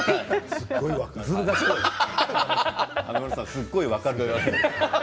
すごい分かる。